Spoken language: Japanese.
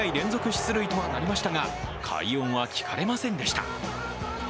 出塁とはなりましたが快音は聞かれませんでした。